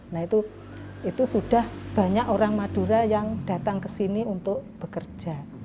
nah itu sudah banyak orang madura yang datang ke sini untuk bekerja